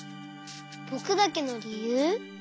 ぼくだけのりゆう？